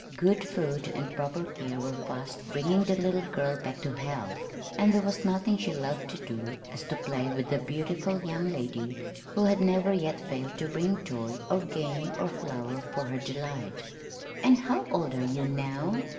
Good food and proper care were fast bringing the little girl back to health; and there was nothing she so loved to do as to "play" with the beautiful young lady who had never yet failed to bring toy or game or flower for her delight. "And how old are you now?"